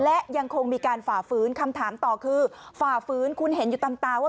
และยังคงมีการฝ่าฝืนคำถามต่อคือฝ่าฝืนคุณเห็นอยู่ตามตาว่า